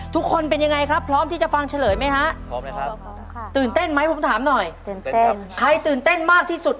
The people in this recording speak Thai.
ทุกคนเป็นยังไงครับพร้อมที่จะฟังเฉลยไหมฮะ